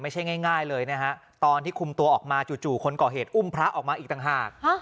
ไม่ใช่ง่ายเลยนะฮะตอนที่คุมตัวออกมาจู่คนก่อเหตุอุ้มพระออกมาอีกต่างหาก